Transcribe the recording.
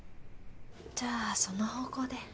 じゃあその方向で。